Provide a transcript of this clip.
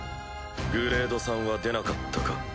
グレード３は出なかったか。